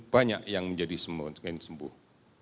banyak yang menjadi sembuh